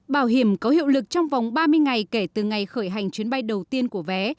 bảo hiểm có hiệu lực trong vòng ba mươi ngày kể từ ngày khởi hành chuyến bay đầu tiên của vé